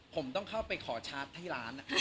ผมต้องเข้าไปขอชาร์จที่ร้าน